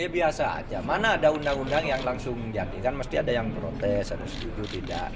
biasa aja mana ada undang undang yang langsung jadi kan mesti ada yang protes harus jujur tidak